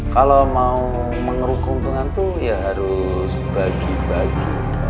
kalau mau mengerukung tuhan tuh ya harus bagi bagi